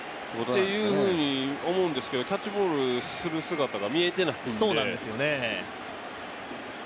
っていうふうに思うんですけどキャッチボールする姿が見えてないんで。